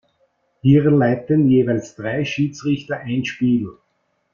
Hier leiten jeweils drei Schiedsrichter ein Spiel.